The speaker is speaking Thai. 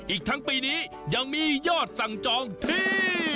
อีกทั้งปีนี้ยังมียอดสั่งจองที่